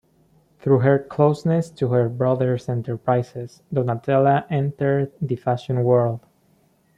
Through her closeness to her brother's enterprises, Donatella entered the fashion world.